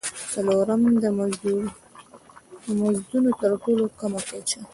څلورم: د مزدونو تر ټولو کمه کچه.